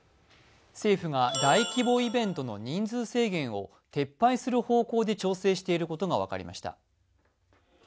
政府が大規模イベントの人数制限を撤廃する方向で調整していることが分かりました。